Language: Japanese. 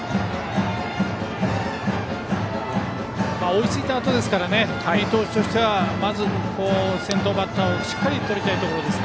追いついたあとですから亀井投手としてはまず先頭バッターをしっかりとりたいところです。